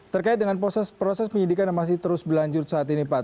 terkait dengan proses proses penyidikan yang masih terus berlanjut saat ini pak